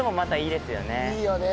いいよね。